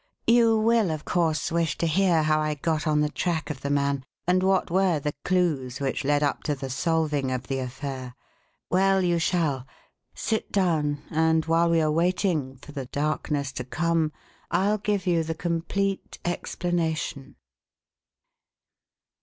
You will, of course, wish to hear how I got on the track of the man, and what were the clues which led up to the solving of the affair. Well, you shall. Sit down, and while we are waiting for the darkness to come I'll give you the complete explanation."